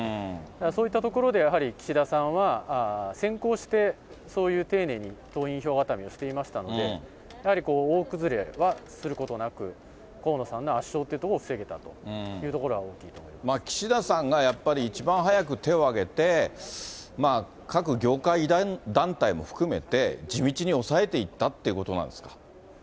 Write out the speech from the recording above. そういったところでやはり岸田さんは、先行して、そういう丁寧に党員票固めをしていましたので、やはり大崩れはすることなく、河野さんの圧勝ということを防げたというところは大きいと思いま岸田さんがやっぱり一番早く手を挙げて、各業界団体も含めて、地道に抑えていったってことなんですか？